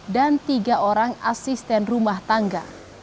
dan tiga orang asisten rumah tangga